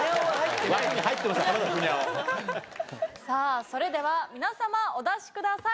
さあそれでは皆様お出しください。